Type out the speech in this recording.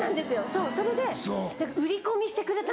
そうそれで売り込みしてくれたんですよ。